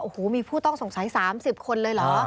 โอ้โหมีผู้ต้องสงสัย๓๐คนเลยเหรอ